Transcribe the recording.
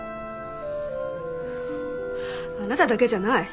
あなただけじゃない。